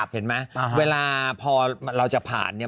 เห็นไหมเวลาพอเราจะผ่านเนี่ย